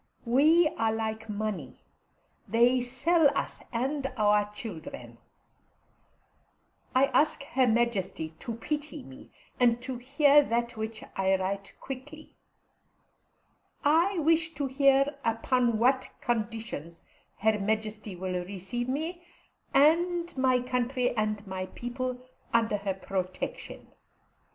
We are like money; they sell us and our children. I ask Her Majesty to pity me, and to hear that which I write quickly. I wish to hear upon what conditions Her Majesty will receive me, and my country and my people, under her protection.